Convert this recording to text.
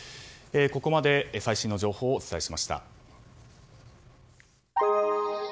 ここまで最新の情報をお伝えしました。